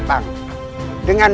dan juga dengan